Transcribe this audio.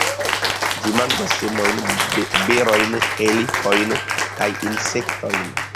Ĝi manĝas semojn, berojn, helikojn kaj insektojn.